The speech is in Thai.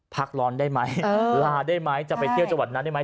พักร้อนได้ไหมลาได้ไหมจะไปเที่ยวจังหวัดนั้นได้ไหม